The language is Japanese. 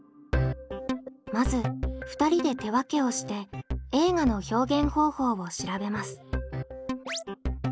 まず２人で手分けをして「映画の表現方法」を調べます。